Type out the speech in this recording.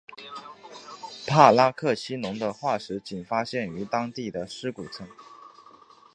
帕拉克西龙的化石仅发现于当地的尸骨层。